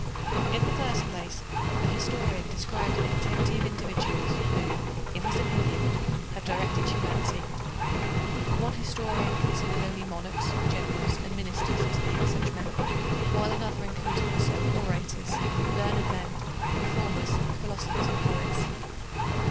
In the first place the historian describes the activity of individuals who in his opinion have directed humanity (one historian considers only monarchs, generals, and ministers as being such men, while another includes also orators, learned men, reformers, philosophers, and poets).